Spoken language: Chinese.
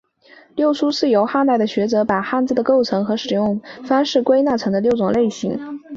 六书是由汉代的学者把汉字的构成和使用方式归纳成的六种类型。